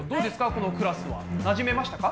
このクラスは。なじめましたか？